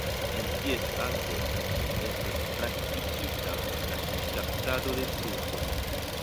En ties akvo estas praktikita la fiŝkaptado de truto.